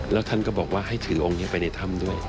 แล้วท่านก็บอกว่าให้ถือองค์นี้ไปในถ้ำด้วย